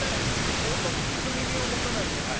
小言に聞く耳を持たない息子。